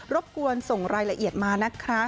บกวนส่งรายละเอียดมานะคะ